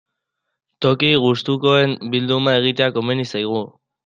Toki gustukoen bilduma egitea komeni zaigu.